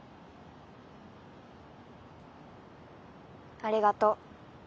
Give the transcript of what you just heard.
ありがと。